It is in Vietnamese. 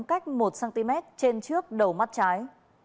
cách một cm trên trước đầu mắt trái